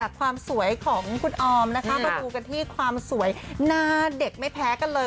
ความสวยของคุณออมนะคะมาดูกันที่ความสวยหน้าเด็กไม่แพ้กันเลย